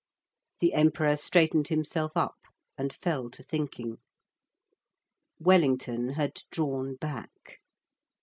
The Emperor straightened himself up and fell to thinking. Wellington had drawn back.